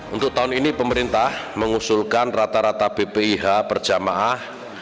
untuk tahun ini pemerintah mengusulkan rata rata bpih per jemaah